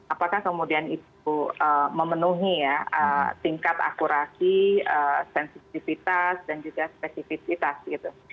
apakah kemudian itu memenuhi ya tingkat akurasi sensitivitas dan juga spesifisitas gitu